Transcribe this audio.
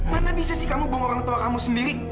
mana bisa sih kamu buang orang tua kamu sendiri